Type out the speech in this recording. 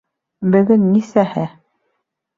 Бөгөн нисәһе?